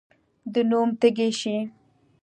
د نوم تږی شي.